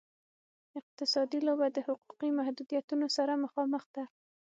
اقتصادي لوبه د حقوقي محدودیتونو سره مخامخ ده.